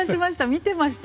見てました